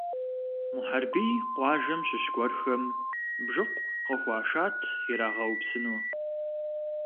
Мухьэрбий къуажэм щыщ гуэрхэм бжыкъу къыхуашат ирагъэупсыну.